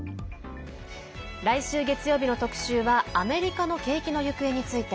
来週月曜日の特集はアメリカの景気の行方について。